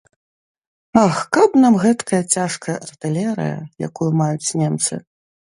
Ах, каб нам гэткая цяжкая артылерыя, якую маюць немцы.